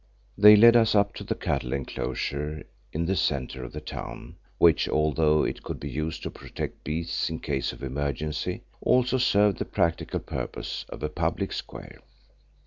They led us up to the cattle enclosure in the centre of the town, which although it could be used to protect beasts in case of emergency, also served the practical purpose of a public square.